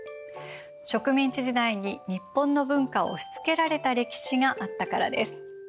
植民地時代に日本の文化を押しつけられた歴史があったからです。